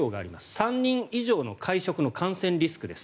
３人以上の会食の感染リスクです。